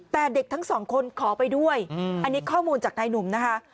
แต่เด็กทั้งสองคนขอไปด้วยอันนี้ข้อมูลจากนายหนุ่มนะคะ